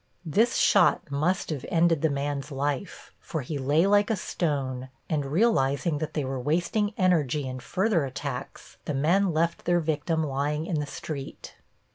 This shot must have ended the man's life, for he lay like a stone, and realizing that they were wasting energy in further attacks, the men left their victim lying in the street.